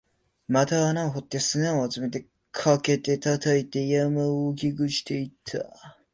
また穴を掘って、砂を集めて、かけて、叩いて、山を大きくしていった